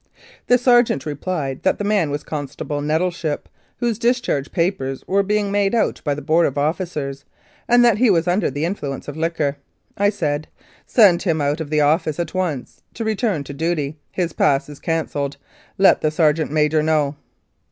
The sergeant replied that the man was Constable Nettleship, whose discharge papers were being made out by the Board of Officers, and that he was under the influence of liquor. I said, "Send him out of the office at once to return to duty. His pass is cancelled. Let the sergeant major know."